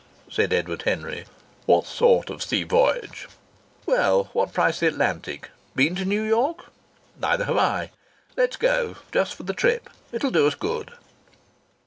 said Edward Henry. "What sort of a sea voyage?" "Well what price the Atlantic? Been to New York?... Neither have I! Let's go. Just for the trip. It'll do us good."